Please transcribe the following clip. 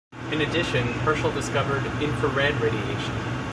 In addition, Herschel discovered infrared radiation.